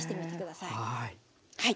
はい。